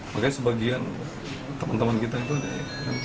makanya sebagian teman teman kita itu ada yang